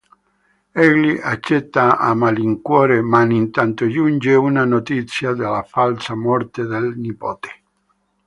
Egli accetta a malincuore, ma intanto giunge una notizia della falsa morte del nipote.